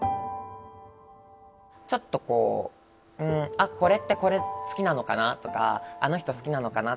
ちょっとこうんあっこれってこれ好きなのかなとかあの人好きなのかな。